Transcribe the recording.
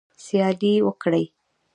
سیالي وکړئ